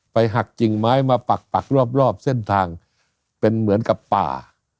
หักกิ่งไม้มาปักปักรอบเส้นทางเป็นเหมือนกับป่า